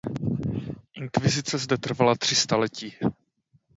Inkvizice zde trvala tři staletí.